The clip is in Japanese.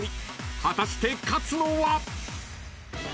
［果たして勝つのは？］